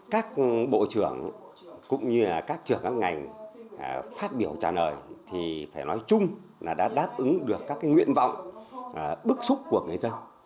các bộ trưởng cũng như là các trưởng các ngành phát biểu trả lời thì phải nói chung là đã đáp ứng được các nguyện vọng bức xúc của người dân